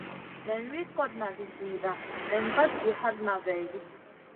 Nen wi kotna vi zida nen vat zi hatna vaidi.